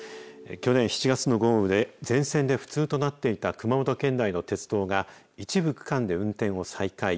去年７月の豪雨で全線で不通となっていた熊本県内の鉄道が一部区間で運転を再開。